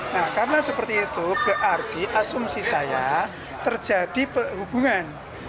nah karena seperti itu berarti asumsi saya terjadi hubungan